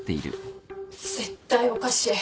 絶対おかしい。